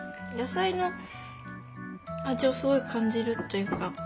野菜の味をすごい感じるというか。